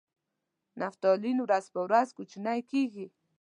نفتالین ورځ په ورځ کوچنۍ کیږي.